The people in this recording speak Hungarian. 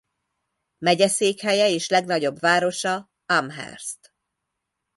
Megyeszékhelye és legnagyobb városa Amherst.